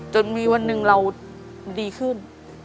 จนมีวันหนึ่งเราดีขึ้น